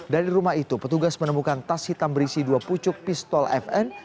dari rumah itu petugas menemukan tas hitam berisi dua pucuk pistol fn